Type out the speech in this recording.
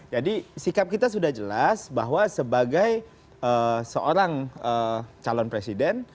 sikap kita sudah jelas bahwa sebagai seorang calon presiden